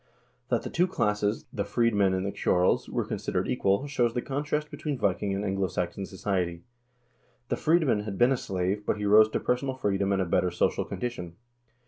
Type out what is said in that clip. That the two classes, the freedmen and the ceorls, were considered equal, shows the contrast between Viking and Anglo Saxon society. The freedman had been a slave, but he rose to personal freedom and a better social condition.